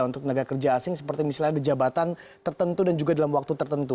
untuk tenaga kerja asing seperti misalnya di jabatan tertentu dan juga dalam waktu tertentu